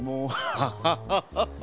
ハハハハハ。